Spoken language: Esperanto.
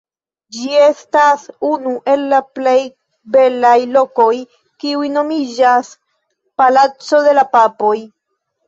Ĝi estas unu el la plej belaj lokoj kiuj nomiĝas «Palaco de la Papoj».